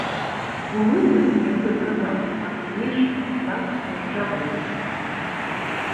Бо мыльная, як той казаў, мацнейшая за дажджавую.